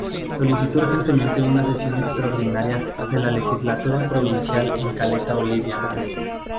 Solicitó urgentemente una sesión extraordinaria de la Legislatura Provincial en Caleta Olivia.